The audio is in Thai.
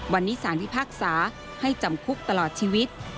วันนี้สารพิพากษาให้จำคุกตลอดชีวิต